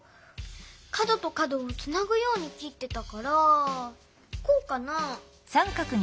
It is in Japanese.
かどとかどをつなぐようにきってたからこうかな？